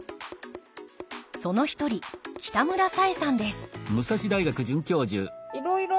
その一人北村紗衣さんです